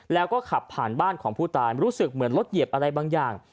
แล้วก็ขับผ่านบ้านของผู้ตายรู้สึกเหมือนรถเหยียบอะไรบางอย่าง